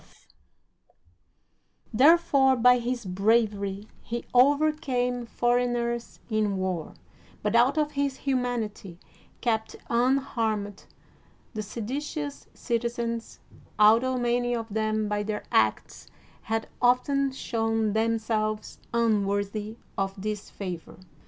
211 THE WORLD'S FAMOUS ORATIONS Therefore by his bravery he overcame foreign ers in war, but out of his humanity kept un harmed the seditious citizens, altho many of them by their acts had often shown themselves unworthy of this favor.